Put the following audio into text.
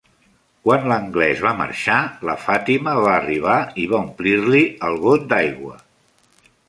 Quan l'anglès va marxar, la Fatima va arribar i va omplir-li el got d'aigua.